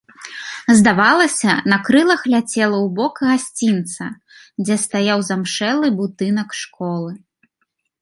Здавалася, на крылах ляцела ў бок гасцінца, дзе стаяў замшэлы будынак школы.